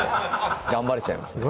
頑張れちゃいますね